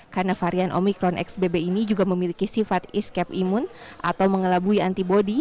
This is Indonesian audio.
karena varian omikron xbb ini juga memiliki sifat iscap imun atau mengelabui antibody